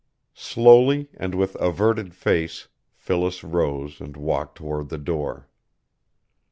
Slowly and with averted face Phyllis rose and walked toward the door.